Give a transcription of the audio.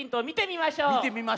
みてみましょう。